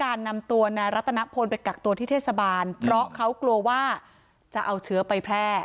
นำตัวนายรัตนพลไปกักตัวที่เทศบาลเพราะเขากลัวว่าจะเอาเชื้อไปแพร่